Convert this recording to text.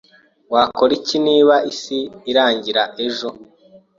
Wakora iki niba isi irangiye ejo?